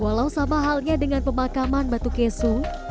walau sama halnya dengan pemakaman batu kesu